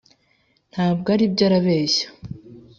ntabwo aribyoarabeshya.